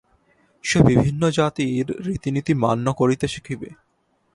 সে বিভিন্ন জাতির রীতিনীতি মান্য করিতে শিখিবে।